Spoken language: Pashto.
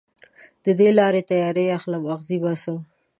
د دې لارې تیارې اخلم اغزې باسم